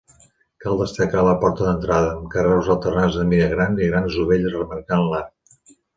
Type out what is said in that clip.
Cal destacar la porta d'entrada, amb carreus alternats de mida i grans dovelles remarcant l'arc.